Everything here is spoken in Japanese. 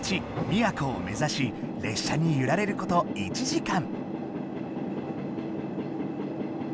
宮古を目ざし列車にゆられること１時間。